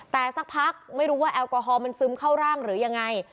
แต่สักพักไม่รู้ว่าแอลกอฮอลมันซึมเข้าร่างหรือยังไง